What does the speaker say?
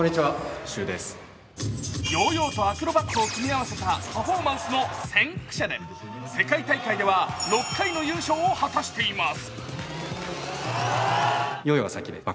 ヨーヨーとアクロバットを組み合わせたパフォーマンスの先駆者で世界大会では６回の優勝を果たしています。